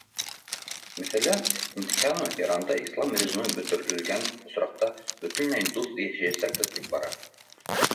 Мәҫәлән, Нетаньяху Иранда ислам режимы бөтөрөлгән осраҡта бөтөнләй дуҫ йәшәйәсәкбеҙ, тип бара.